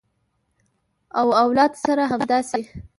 او اولاد سره همداسې